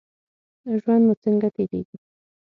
ژوند مو څنګه تیریږي؟